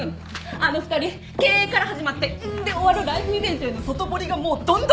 あの２人「け」から始まって「ん」で終わるライフイベントへの外堀がもうどんどん埋まっちゃってるんだけど！